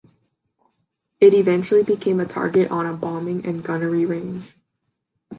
It eventually became a target on a bombing and gunnery range.